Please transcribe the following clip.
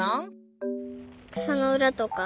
くさのうらとか？